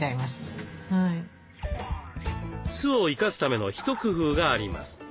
酢を生かすための一工夫があります。